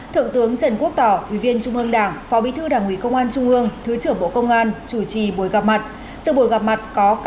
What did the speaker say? thượng tướng trần quốc tỏ ủy viên trung ương đảng phó bí thư đảng ủy công an trung ương thứ trưởng bộ công an chủ trì buổi gặp mặt